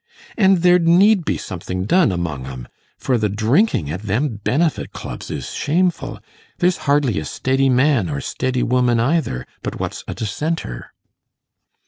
And there'd need be something done among 'em; for the drinking at them Benefit Clubs is shameful. There's hardly a steady man or steady woman either, but what's a dissenter.